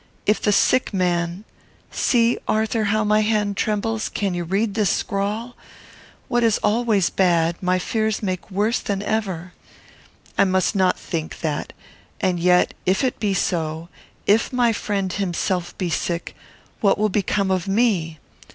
If the sick man see, Arthur, how my hand trembles. Can you read this scrawl? What is always bad, my fears make worse than ever. I must not think that. And yet, if it be so, if my friend himself be sick, what will become of me?